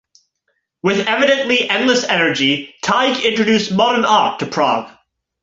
With evidently endless energy, Teige introduced modern art to Prague.